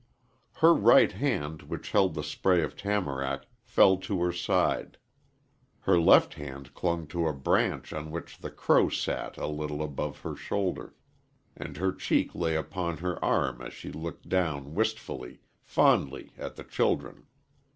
Her right hand, which held the spray of tamarack, fell to her side; her left hand clung to a branch on which the crow sat a little above her shoulder, and her cheek lay upon her arm as she looked down wistfully, fondly, at the children.